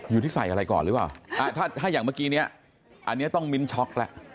อยู่ที่ใส่อะไรก่อนหรือเปล่าถ้าอย่างเมื่อกี้เนี่ยอันนี้ต้องมิ้นช็อกแล้ว